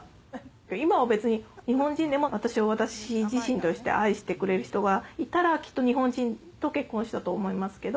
今は別に日本人でも私は私自身として愛してくれる人がいたらきっと日本人と結婚したと思いますけど。